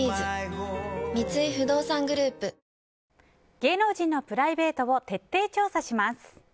芸能人のプライベートを徹底調査します。